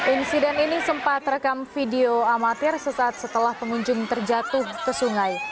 insiden ini sempat rekam video amatir sesaat setelah pengunjung terjatuh ke sungai